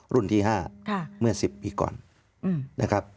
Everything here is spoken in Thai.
รุ่นที่๕เมื่อ๑๐ปีก่อน